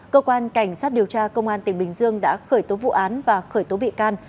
cơ quan cảnh sát điều tra công an tỉnh bình dương đã khởi tố vụ án và khởi tố bị can